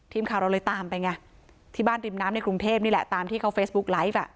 ทีมข่าวเราเลยตามไปไงที่บ้านริมน้ำในกรุงเทพนี่แหละตามที่เขาเฟซบุ๊กไลฟ์อ่ะ